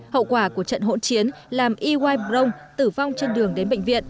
hậu quả của trận hỗn chiến làm y y prong tử vong trên đường đến bệnh viện